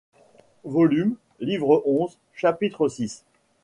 Volume — Livre onze, Chapitre six.